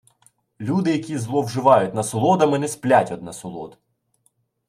Люди, які зловживають насолодами, не сплять од насолод.